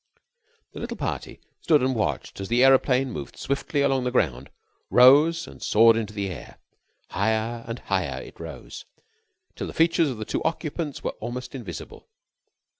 The little party stood and watched as the aeroplane moved swiftly along the ground, rose, and soared into the air. Higher and higher it rose, till the features of the two occupants were almost invisible.